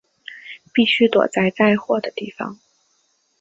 必须躲在载货的地方